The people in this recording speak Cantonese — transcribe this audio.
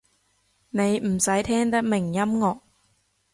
你唔使聽得明音樂